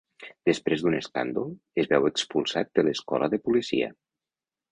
Després d'un escàndol, es veu expulsat de l'escola de policia.